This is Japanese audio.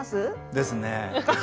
ですね。